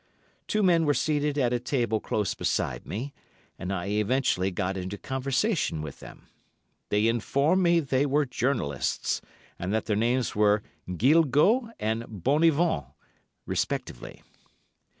Two men were seated at a table close beside me, and I eventually got into conversation with them. They informed me they were journalists, and that their names were Guilgaut and Bonivon respectively.